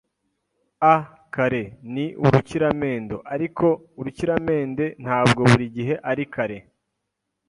A kare ni urukiramende, ariko urukiramende ntabwo buri gihe ari kare.